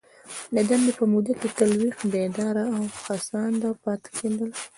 د دندي په موده کي تل ویښ ، بیداره او هڅانده پاته کیدل.